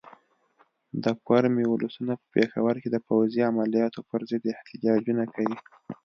د کرمې ولسونه په پېښور کې د فوځي عملیاتو پر ضد احتجاجونه کوي.